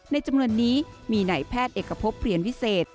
จำนวนนี้มีนายแพทย์เอกพบเปลี่ยนวิเศษ